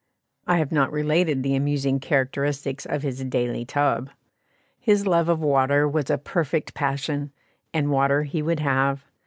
I have not related the amusing characteristics of his "daily tub." His love of water was a perfect passion, and water he would have.